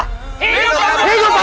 hidup prabu raghavwana